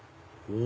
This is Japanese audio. お！